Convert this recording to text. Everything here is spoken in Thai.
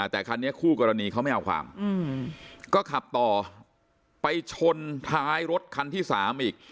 แต่คันนี้คู่กรณีเขาไม่เอาความก็ขับต่อไปชนท้ายรถคันที่๓อีก